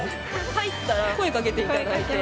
入ったら声かけていただいて。